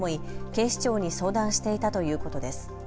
警視庁に相談していたということです。